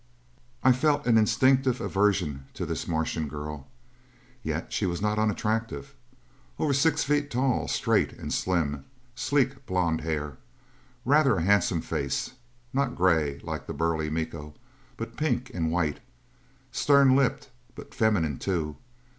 I felt an instinctive aversion to this Martian girl. Yet she was not unattractive. Over six feet tall, straight and slim. Sleek blond hair. Rather a handsome face; not gray, like the burly Miko, but pink and white; stern lipped, but feminine, too.